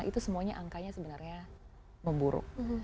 itu semuanya angkanya sebenarnya memburuk